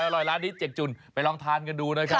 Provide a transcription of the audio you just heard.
อร่อยร้านนี้๗จุดไปลองทานกันดูนะครับ